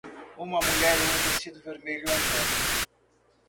Uma mulher em um vestido vermelho andando.